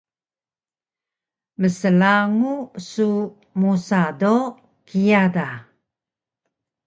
Mslagu su musa do kiya da